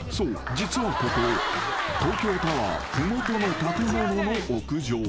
実はここ東京タワー麓の建物の屋上］